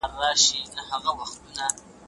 پر تش دېګدان دي